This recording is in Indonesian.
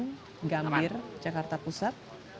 tempatnya tps delapan gambir jakarta pusat